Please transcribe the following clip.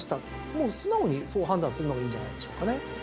もう素直にそう判断するのがいいんじゃないでしょうかね。